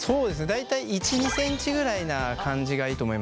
大体１２センチぐらいな感じがいいと思いますね。